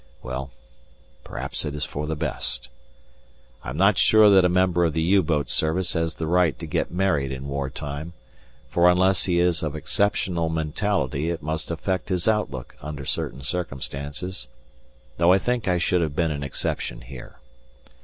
Well, perhaps it is for the best. I am not sure that a member of the U boat service has the right to get married in war time, for unless he is of exceptional mentality it must affect his outlook under certain circumstances, though I think I should have been an exception here.